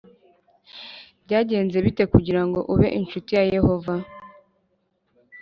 Byagenze bite kugira ngo ube incuti ya Yehova